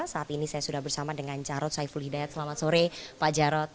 saat ini saya sudah bersama dengan jarod saiful hidayat selamat sore pak jarod